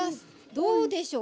どうでしょう。